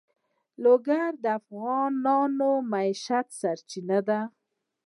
لوگر د افغانانو د معیشت سرچینه ده.